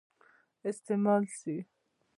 استعمال سي.